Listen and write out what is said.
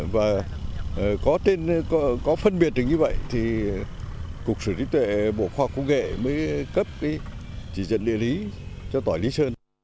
và có tên có phân biệt hình như vậy thì cục sử lý tuệ bộ khoa công nghệ mới cấp cái chỉ dẫn địa lý cho tỏi lý sơn